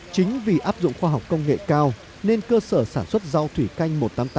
chính vì áp dụng khoa học công nghệ cao nên cơ sở sản xuất rau thủy canh